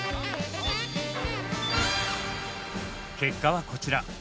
結果はこちら。